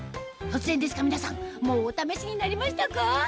突然ですが皆さんもうお試しになりましたか？